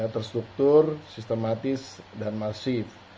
terstruktur sistematis dan masif